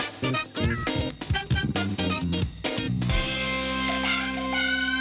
ค่ะ